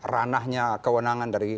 ranahnya kewenangan dari